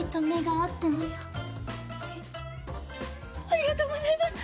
ありがとうございます！